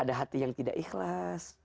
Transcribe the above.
ada hati yang tidak ikhlas